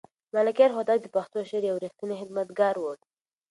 ملکیار هوتک د پښتو شعر یو رښتینی خدمتګار و.